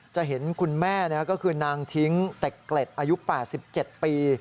จะเห็นคุณแม่ก็คือนางทิ้งเต็กเกล็ดอายุ๘๗ปี